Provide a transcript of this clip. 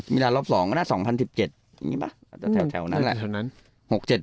มิราณรอบ๒ก็น่า๒๐๑๗แถวนั้นแหละ